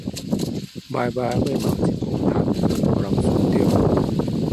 迷人的混蛋贏得尊重